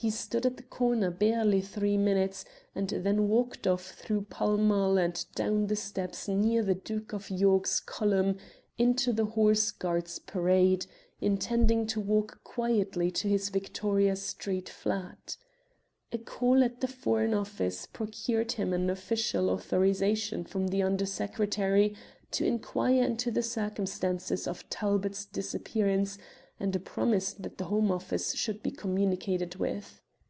He stood at the corner barely three minutes, and then walked off through Pall Mall and down the steps near the Duke of York's Column into the Horse Guards' Parade, intending to walk quietly to his Victoria Street flat. A call at the Foreign Office procured him an official authorization from the Under Secretary to inquire into the circumstances of Talbot's disappearance and a promise that the Home Office should be communicated with.